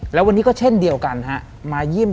แล้ววันนี้ก็เช่นเดียวกันฮะมายิ้ม